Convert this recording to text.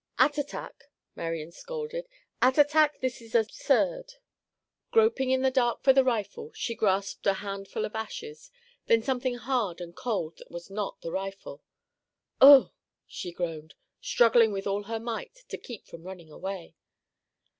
"Attatak," Marian scolded; "Attatak. This is absurd!" Groping in the dark for the rifle, she grasped a handful of ashes, then something hard and cold that was not the rifle. "Ugh!" she groaned, struggling with all her might to keep from running away.